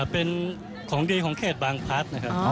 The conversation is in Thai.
เป็นของดีของเขตบางพัฒน์นะครับ